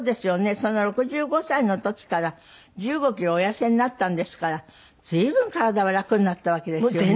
そんな６５歳の時から１５キロお痩せになったんですから随分体は楽になったわけですよね。